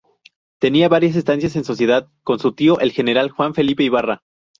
Tenía varias estancias en sociedad con su tío, el general Juan Felipe Ibarra.